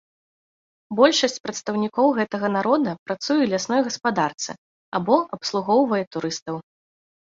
Большасць прадстаўнікоў гэтага народа працуе ў лясной гаспадарцы або абслугоўвае турыстаў.